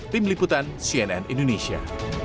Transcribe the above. tim liputan cnn indonesia